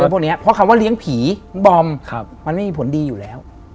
พวกนี้เพราะคำว่าเลี้ยงผีบอมมันไม่มีผลดีอยู่แล้ว